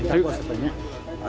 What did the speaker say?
kita mau pelaturan ya